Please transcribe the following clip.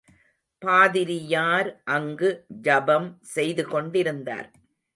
பாதிரியார் அங்கு ஜபம் செய்துகொண்டிருந்தார்.